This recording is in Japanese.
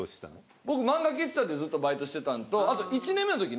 僕漫画喫茶でずっとバイトしてたんとあと１年目の時に。